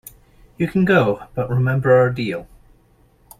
You can go, but remember our deal.